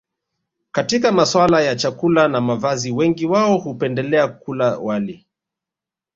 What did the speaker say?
Katika masuala ya chakula na mavazi wengi wao hupendelea kula wali